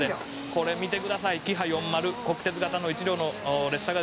「これ見てくださいキハ４０」「国鉄型の１両の列車がですね